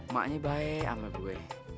maknya baik sama gue